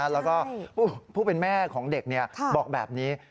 แล้วก็ผู้เป็นแม่ของเด็กบอกแบบนี้